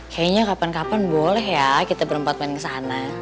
kayaknya kapan kapan boleh ya kita berempat main kesana